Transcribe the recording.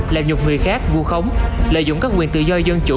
làm nhục người khác vu khống lợi dụng các quyền tự do dân chủ